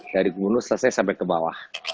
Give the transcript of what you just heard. dari gunung selesai sampai ke bawah